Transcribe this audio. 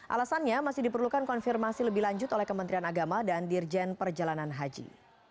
alasannya masih diperlukan konfirmasi lebih lanjut oleh kementerian agama dan dirjen perjalanan haji